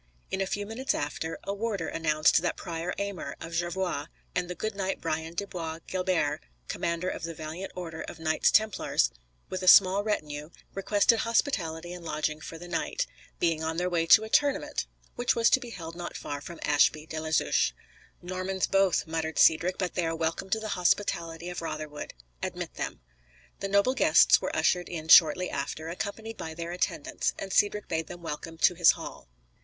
In a few minutes after, a warder announced that the Prior Aymer, of Jorvaulx, and the good knight Brian de Bois Guilbert, commander of the valiant order of Knights Templars, with a small retinue, requested hospitality and lodging for the night, being on their way to a tournament which was to be held not far from Ashby de la Zouche. "Normans both," muttered Cedric; "but they are welcome to the hospitality of Rotherwood. Admit them." The noble guests were ushered in shortly after, accompanied by their attendants, and Cedric bade them welcome to his hall.